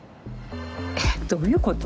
えっどういうこと？